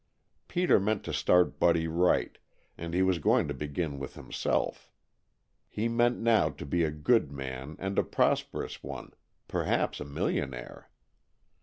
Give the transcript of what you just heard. Peter meant to start Buddy right, and he was going to begin with himself. He meant, now, to be a good man, and a prosperous one perhaps a millionaire.